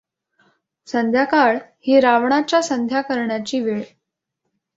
संध्याकाळ ही रावणाच्या संध्या करण्याची वेळ.